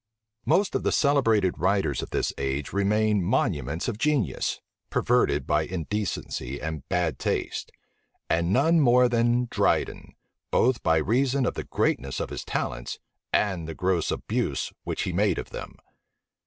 Most of the celebrated writers of this age remain monuments of genius, perverted by indecency and bad taste; and none more than Dryden, both by reason of the greatness of his talents and the gross abuse which he made of them.